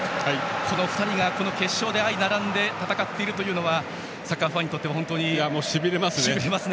この２人が、この決勝で相並んで戦っているのはサッカーファンにとってもしびれますね。